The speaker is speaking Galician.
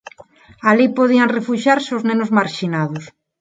Alí podían refuxiarse os nenos marxinados.